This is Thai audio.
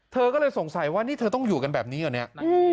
เธอก็เลยสงสัยว่านี่เธอต้องอยู่กันแบบนี้เหรอเนี่ย